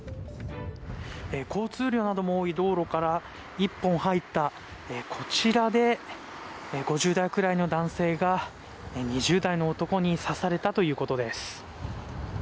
交通量なども多い道路から一本入ったこちらで５０代くらいの男性が２０代の男に刺されたということです。